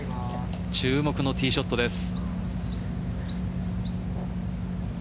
注目のティーショットです。